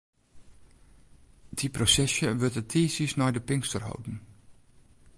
Dy prosesje wurdt de tiisdeis nei de Pinkster holden.